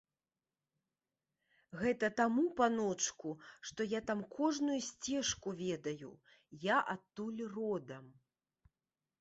Гэта таму, паночку, што я там кожную сцежку ведаю, я адтуль родам.